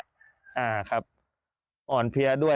อ่าครับอ่อนเพลียด้วย